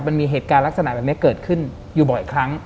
มันมีเหตุการณ์ลักษณะแบบนี้เกิดขึ้นอยู่บ่อยครั้ง